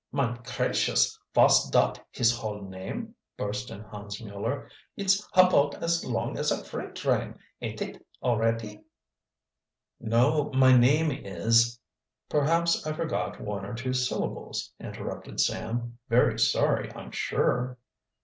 "Mine cracious! vos dot his hull name?" burst in Hans Mueller. "It's apout as long as a freight drain, ain't it, alretty!" "No, my name is " "Perhaps I forgot one or two syllables," interrupted Sam. "Very sorry, I'm sure."